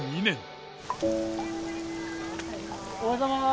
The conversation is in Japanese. おはようございます！